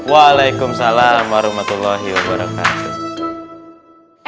waalaikumsalam warahmatullahi wabarakatuh